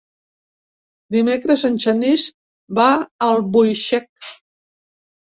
Dimecres en Genís va a Albuixec.